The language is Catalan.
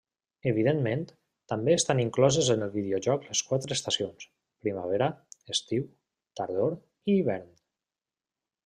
Evidentment, també estan incloses en el videojoc les quatre estacions: primavera, estiu, tardor i hivern.